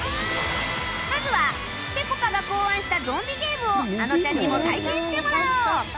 まずはぺこぱが考案したゾンビゲームをあのちゃんにも体験してもらおう！